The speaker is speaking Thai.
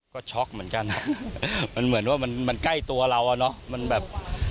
ก็ช็อกเหมือนกันมันเหมือนว่ามันใกล้ตัวเราอ่ะเนอะมันแบบ